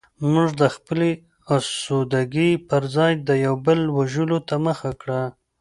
موږ د خپلې اسودګۍ پرځای د یو بل وژلو ته مخه کړه